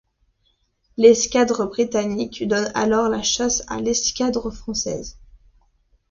L'escadre britannique donne alors la chasse à l'escadre française.